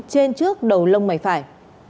trên trước đầu lông mảnh phải